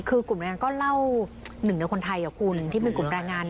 คือกลุ่มแรงงานก็เล่าหนึ่งในคนไทยคุณที่เป็นกลุ่มแรงงาน